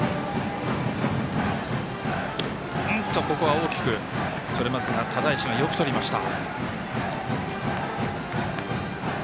大きく、それますが只石がよくとりました。